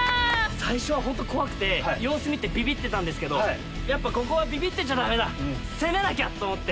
最初は本当怖くて様子見てビビってたんですけどここはビビってちゃダメだ攻めなきゃ！と思って。